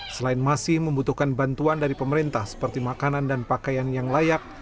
selain masih membutuhkan bantuan dari pemerintah seperti makanan dan pakaian yang layak